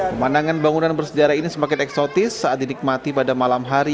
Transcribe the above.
pemandangan bangunan bersejarah ini semakin eksotis saat dinikmati pada malam hari